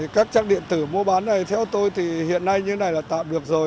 các trang điện tử mua bán này theo tôi thì hiện nay như thế này là tạm được rồi